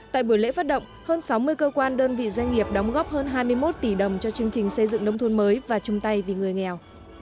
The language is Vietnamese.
tại buổi lễ phát động hơn sáu mươi cơ quan đơn vị doanh nghiệp đóng góp hơn hai mươi một tỷ đồng cho chương trình xây dựng nông thôn mới và chung tay vì người nghèo